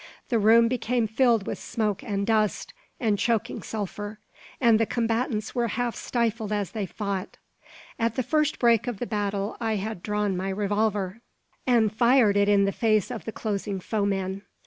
The room became filled with smoke and dust, and choking sulphur; and the combatants were half stifled as they fought. At the first break of the battle I had drawn my revolver, and fired it in the face of the closing foemen.